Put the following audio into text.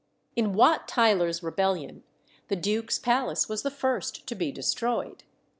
In Wat Tyler's rebellion the duke's palace was the first to be destroyed.